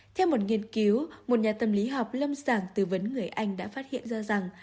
theo một nghiên cứu một nhà tâm lý học lâm sàng tư vấn người anh đã phát hiện ra rằng